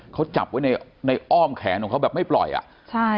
เขาจับไว้ในในอ้อมแขนของเขาแบบไม่ปล่อยอ่ะใช่